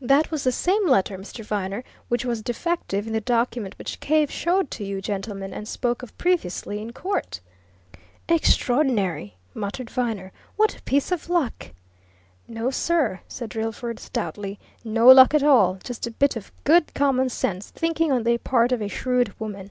That was the same letter, Mr. Viner, which was defective in the document which Cave showed to you gentlemen and spoke of previously in court!" "Extraordinary!" muttered Viner. "What a piece of luck!" "No, sir!" said Drillford, stoutly. "No luck at all just a bit of good common sense thinking on the part of a shrewd woman.